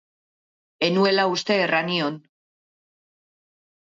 Ez nuela uste erran nion.